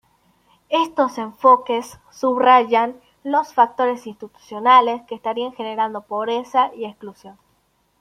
Estos enfoques subrayan los factores institucionales que estarían generando pobreza y exclusión.